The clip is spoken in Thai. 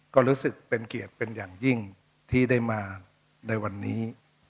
ก็รู้สึกเป็นเกียรติเป็นอย่างยิ่งที่ได้มาในวันนี้